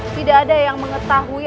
tidak ada yang mengetahui